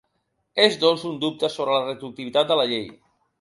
És, doncs, un dubte sobre la retroactivitat de la llei.